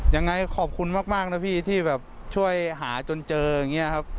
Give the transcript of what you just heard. ยังไงขอบคุณมากนะพี่ที่แบบช่วยหาจนเจออย่างนี้ครับ